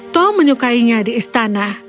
tom menyukainya di istana